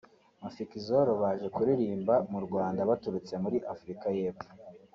Mafikizolo baje kuririmba mu Rwanda baturutse muri Afurika y’Epfo